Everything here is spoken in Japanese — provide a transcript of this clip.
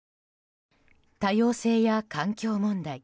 多様性や環境問題